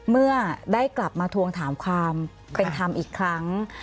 เมื่อได้กลับมาทวงถามความเป็นธรรมอีกครั้ง